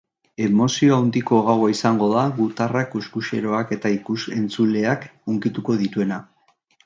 Emozio handiko gaua izango da, gutarrak, kuxkuxeroak eta ikus-entzuleak hunkituko dituena.